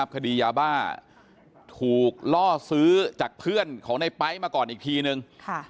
คดียาบ้าถูกล่อซื้อจากเพื่อนของในไป๊มาก่อนอีกทีนึง